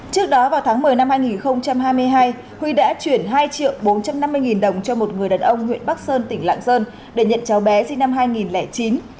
trước đó vào tháng một mươi năm hai nghìn hai mươi hai huy đã chuyển hai triệu bốn trăm năm mươi nghìn đồng cho một người đàn ông huyện bắc sơn tỉnh lạng sơn để nhận cháu bé sinh năm hai nghìn chín